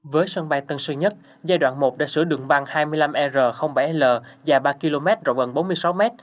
với sân bay tân sơn nhất giai đoạn một đã sửa đường băng hai mươi năm r bảy l dài ba km rộng gần bốn mươi sáu m